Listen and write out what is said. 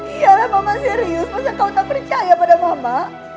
iyalah mama serius masa kau tak percaya pada mama